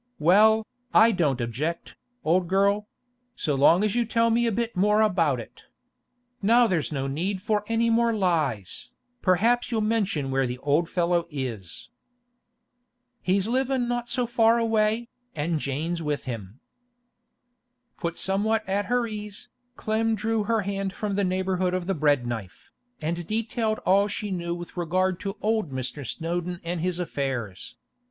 Well, I don't object, old girl—so long as you tell me a bit more about it. Now there's no need for any more lies, perhaps you'll mention where the old fellow is.' 'He's livin' not so far away, an' Jane with him.' Put somewhat at her ease, Clem drew her hand from the neighbourhood of the bread knife, and detailed all she knew with regard to old Mr. Snowdon and his affairs.